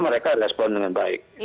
mereka respon dengan baik